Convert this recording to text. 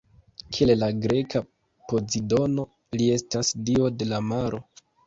Kiel la greka Pozidono, li estas dio de la maro.